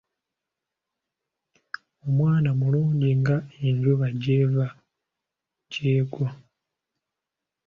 Omwana mulungi nga Enjuba gy'eva gy'egwa.